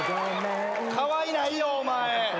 かわいないよお前。